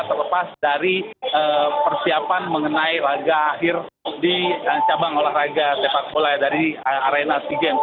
terlepas dari persiapan mengenai lagu akhir di cabang olahraga tepat bola dari arena si game